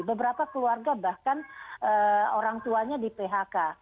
beberapa keluarga bahkan orang tuanya di phk